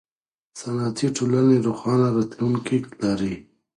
صنعتي ټولنې روښانه راتلونکی لري.